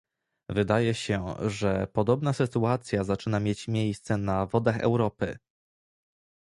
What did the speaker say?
Wydaje się, że podobna sytuacja zaczyna mieć miejsce na wodach Europy